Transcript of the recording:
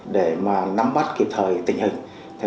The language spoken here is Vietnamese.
để mà nắm bắt kịp thời tình hình